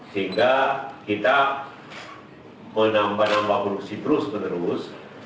sehingga kita menambah nambah produksi terus menerus